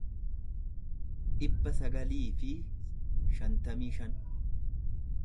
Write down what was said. dhibba sagalii fi shantamii shan